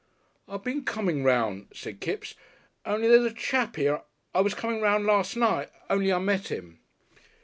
"I been coming 'round," said Kipps. "On'y there's a chap 'ere . I was coming 'round last night on'y I met 'im."